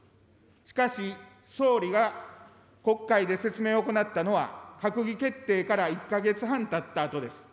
しかし、総理が国会で説明を行ったのは、閣議決定から１か月半たったあとです。